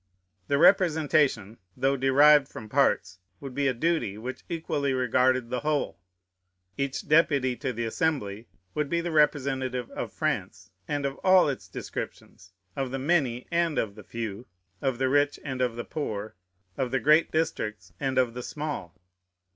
The representation, though derived from parts, would be a duty which equally regarded the whole. Each deputy to the Assembly would be the representative of France, and of all its descriptions, of the many and of the few, of the rich and of the poor, of the great districts and of the small.